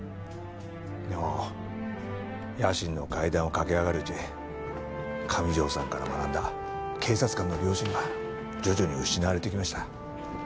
でも野心の階段を駆け上がるうち上條さんから学んだ警察官の良心は徐々に失われていきました。